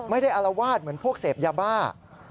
ไม่ได้อารวาสเหมือนพวกเสพยาบ้า